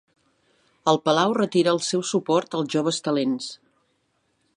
El Palau retira el seu suport als joves talents.